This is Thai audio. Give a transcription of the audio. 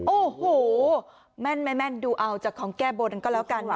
โอ้โหแม่นไม่แม่นดูเอาจากของแก้บนก็แล้วกัน